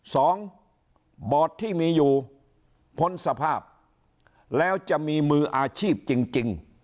สองบอร์ดที่มีอยู่พ้นสภาพแล้วจะมีมืออาชีพจริงจริง